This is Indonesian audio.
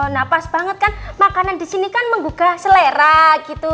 nah pas banget kan makanan disini kan menggugah selera gitu